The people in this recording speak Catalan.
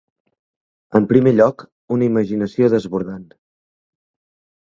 En primer lloc, una imaginació desbordant.